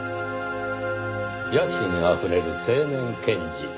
野心あふれる青年検事